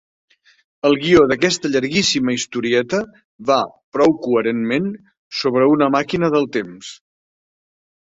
El guió d'aquesta llarguíssima historieta va, prou coherentment, sobre una màquina del temps.